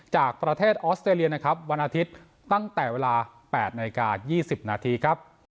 จากประเทศออสเตรเลียนะครับวันอาทิตย์ตั้งแต่เวลา๘นาฬิกา๒๐นาทีครับ